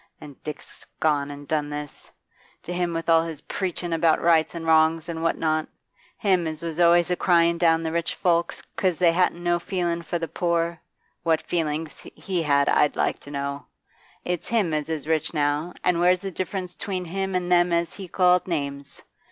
And Dick's gone an' done this? And him with all his preachin' about rights and wrongs an' what not! Him as was always a cryin' down the rich folks 'cause they hadn't no feelin' for the poor! What feeling's he had, I'd like to know? It's him as is rich now, an' where's the difference 'tween him and them as he called names?